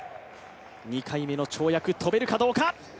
２回目の跳躍、跳べるかどうか？